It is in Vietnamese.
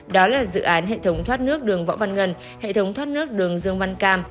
đó là dự án hệ thống thoát nước đường võ văn ngân hệ thống thoát nước đường dương văn cam